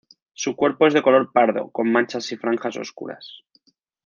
Su cuerpo es de color pardo con manchas y franjas oscuras.